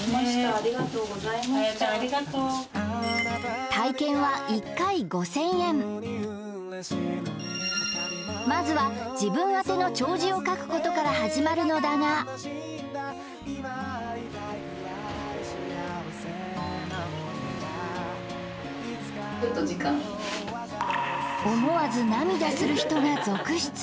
ありがとうございましたあやちゃんありがとう体験はまずは自分宛の弔辞を書くことから始まるのだがちょっと時間思わず涙する人が続出